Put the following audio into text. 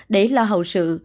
để lo hậu sự